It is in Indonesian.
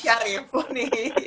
sama bang syarif ini